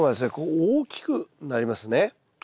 大きくなります。